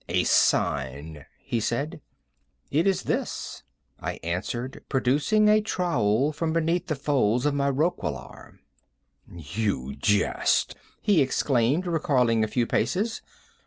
"A sign," he said. "It is this," I answered, producing a trowel from beneath the folds of my roquelaire. "You jest," he exclaimed, recoiling a few paces.